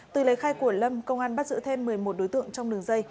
từ lấy khai của lâm công an bắt giữ thêm một mươi một đối tượng trong đường dây